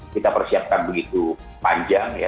kita persiapkan begitu panjang ya